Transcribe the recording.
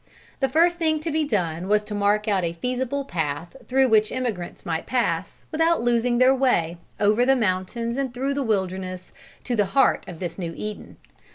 The first thing to be done was to mark out a feasible path through which emigrants might pass, without losing their way, over the mountains and through the wilderness, to the heart of this new Eden.